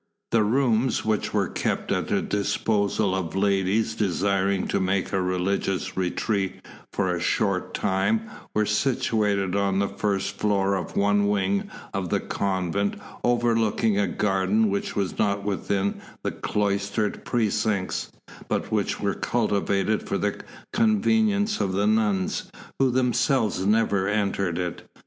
The rooms which were kept at the disposal of ladies desiring to make a religious retreat for a short time were situated on the first floor of one wing of the convent overlooking a garden which was not within the cloistered precincts, but which was cultivated for the convenience of the nuns, who themselves never entered it.